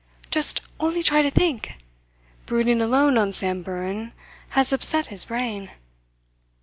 "Just only try to think! Brooding alone on Samburan has upset his brain.